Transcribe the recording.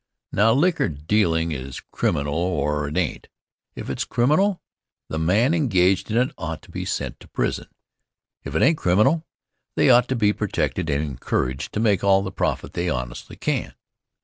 Now, liquor dealing is criminal or it ain't. If it's criminal, the men engaged in it ought to be sent to prison. If it ain't criminal, they ought to be protected and encouraged to make all the profit they honestly can.